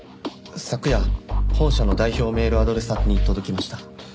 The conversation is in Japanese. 昨夜本社の代表メールアドレス宛てに届きました。